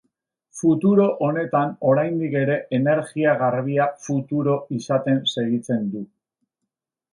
Futuro honetan oraindik ere energia garbia futuro izaten segitzen du.